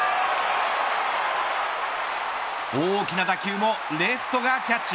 大きな打球もレフトがキャッチ。